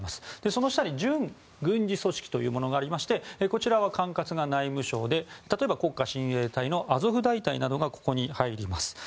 その下に準軍事組織というものがありましてこちらは管轄が内務省で例えば、国家親衛隊のアゾフ大隊などがここに入ります。